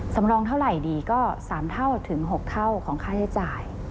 สำรองเท่าไหร่ดีก็๓เท่าถึง๖เท่าของค่าใช้จ่าย